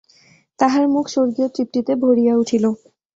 তাহার মুখ স্বগীয় তৃপ্তিতে ভরিয়া উঠিল।